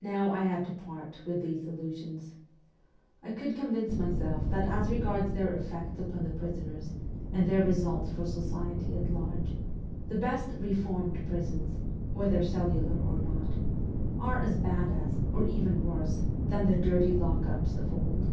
Now, I had to part with these illusions. I could convince myself that as regards their effects upon the prisoners, and their results for society at large, the best ' reformed^' prisons whether cellular or not are as bad as, or even worse, than the dirty lock ups of old.